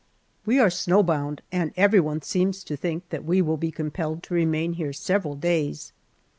WE are snow bound, and everyone seems to think we that we will be compelled to remain here several days.